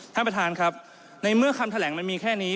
ท่านประธานครับในเมื่อคำแถลงมันมีแค่นี้